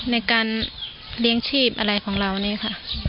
ในการเลี้ยงชีพอะไรของเรานี่ค่ะ